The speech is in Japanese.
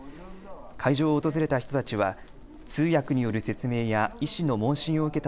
会場を訪れた人たちは通訳による説明や医師の問診を受けた